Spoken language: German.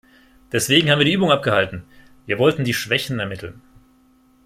Deswegen haben wir die Übung abgehalten: Wir wollten die Schwächen ermitteln.